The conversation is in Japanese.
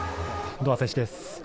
堂安選手です。